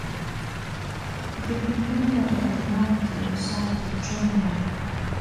د برلین نه راتناو ته یو ساعت د ټرېن لاره ده